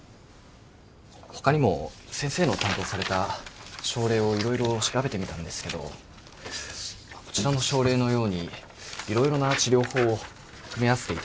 他にも先生の担当された症例を色々調べてみたんですけどこちらの症例のように色々な治療法を組み合わせていただけると。